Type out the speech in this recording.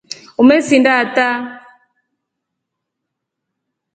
Umesinda ata.